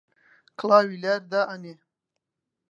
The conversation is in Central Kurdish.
کڵاوی لار دائەنێ